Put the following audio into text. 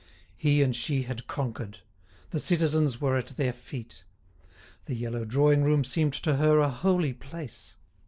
He and she had conquered; the citizens were at their feet. The yellow drawing room seemed to her a holy place.